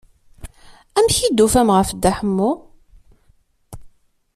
Amek i d-ufan ɣef Dda Ḥemmu?